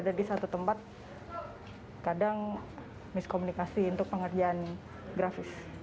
ada di satu tempat kadang miskomunikasi untuk pengerjaan grafis